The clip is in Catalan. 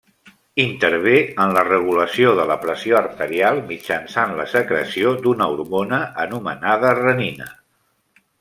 Intervé en la regulació de la pressió arterial mitjançant la secreció d'una hormona anomenada renina.